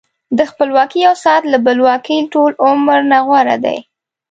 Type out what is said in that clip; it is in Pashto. د خپلواکۍ یو ساعت له بلواکۍ ټول عمر نه غوره دی.